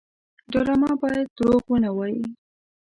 ډرامه باید دروغ ونه وایي